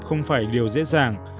không phải điều dễ dàng